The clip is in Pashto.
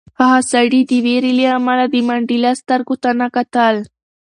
هغه سړي د وېرې له امله د منډېلا سترګو ته نه کتل.